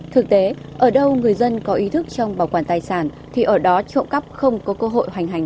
thực tế ở đâu người dân có ý thức trong bảo quản tài sản thì ở đó trộm cắp không có cơ hội hoành hành